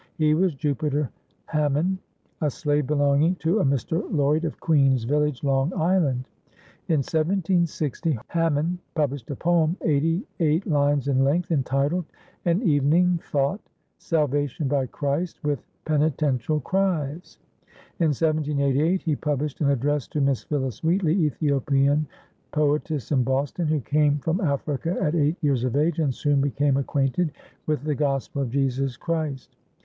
He was Jupiter Hammon, a slave belonging to a Mr. Lloyd of Queens Village, Long Island. In 1760 Hammon published a poem, eighty eight lines in length, entitled "An Evening Thought, Salvation by Christ, with Penettential Cries." In 1788 he published "An Address to Miss Phillis Wheatley, Ethiopian Poetess in Boston, who came from Africa at eight years of age, and soon became acquainted with the Gospel of Jesus Christ."